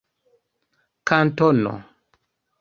kantono